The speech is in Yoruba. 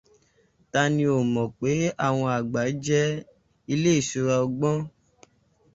Ta ni ò mọ̀ pé àwọn àgbà jẹ́ ilé ìṣura ọgbọ́n?